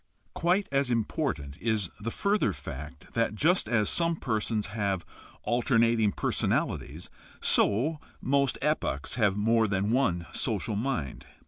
Quite as important is the further fact that just as some persons have alternating personalities, so most epochs have more than one social mind.